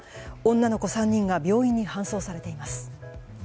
女の子３人が病院に搬送されています。